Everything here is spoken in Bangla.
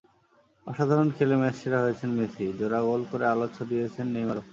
অসাধারণ খেলে ম্যাচসেরা হয়েছেন মেসি, জোড়া গোল করে আলো ছড়িয়েছেন নেইমারও।